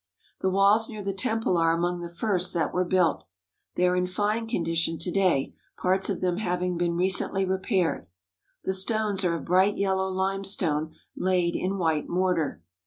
The walls near the Temple are among the first that were built. They are in fine condition to day, parts of them having been recently repaired. The stones are of bright yellow limestone laid in white mortar.